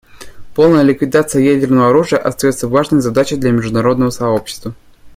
Полная ликвидация ядерного оружия остается важной задачей для международного сообщества.